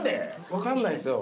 分かんないんですよ